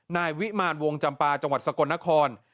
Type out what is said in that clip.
นายวิมารวงจำปาจังหวัดสกลนคร